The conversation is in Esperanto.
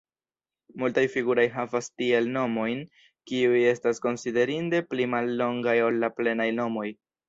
Multaj figuraj havas tiel nomojn, kiuj estas konsiderinde pli mallongaj ol la plenaj nomoj.